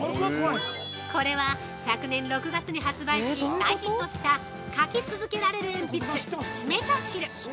◆これは昨年６月に発売し大ヒットした書き続けられる鉛筆「メタシル」。